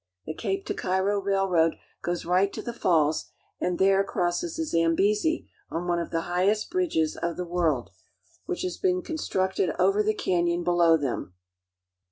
The Cape to Cairo Railroad goes right to the falls, and there crosses the Zambezi on one of the highest bridges RHODESIA — THE NIAGARA OF AFRICA pof the world, which has been constructed over the canyon below them.